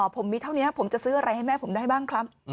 ผมมีเท่านี้ผมจะซื้ออะไรให้แม่ผมได้บ้างครับ